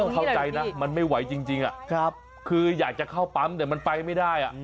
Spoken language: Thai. เข้าใจนะมันไม่ไหวจริงคืออยากจะเข้าปั๊มแต่มันไปไม่ได้